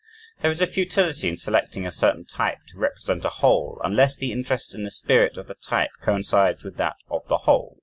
There is a futility in selecting a certain type to represent a "whole," unless the interest in the spirit of the type coincides with that of the whole.